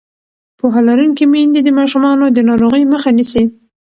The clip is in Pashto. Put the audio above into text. پوهه لرونکې میندې د ماشومانو د ناروغۍ مخه نیسي.